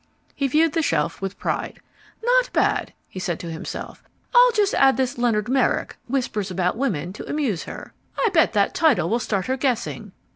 He viewed the shelf with pride. "Not bad," he said to himself. "I'll just add this Leonard Merrick, Whispers about Women, to amuse her. I bet that title will start her guessing.